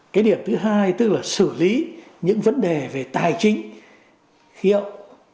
cái điểm thứ hai tức là xử lý những vấn đề về tài chính khí hậu